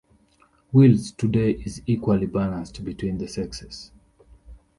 Wills today is equally balanced between the sexes.